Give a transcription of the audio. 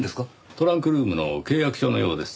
トランクルームの契約書のようです。